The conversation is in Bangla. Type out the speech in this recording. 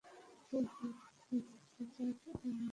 তুই ভালোর পথ ধরতে চাস, আমি মন্দের পথ ধরতে চাই।